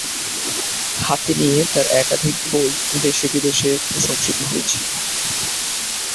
হাতি নিয়ে তার একাধিক বই দেশে-বিদেশে প্রশংসিত হয়েছে।